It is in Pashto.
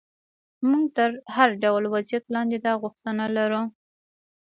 موږ تر هر ډول وضعیت لاندې دا غوښتنه لرو.